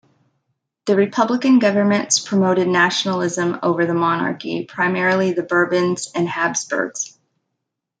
The republican governments promoted nationalism over the monarchy, primarily the Bourbons and Habsburgs.